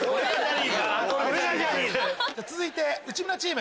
続いて内村チーム。